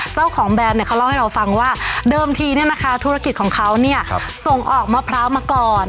แบรนด์เนี่ยเขาเล่าให้เราฟังว่าเดิมทีเนี่ยนะคะธุรกิจของเขาเนี่ยส่งออกมะพร้าวมาก่อน